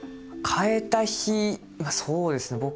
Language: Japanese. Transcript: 変えた日そうですね